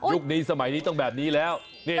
นี้สมัยนี้ต้องแบบนี้แล้ว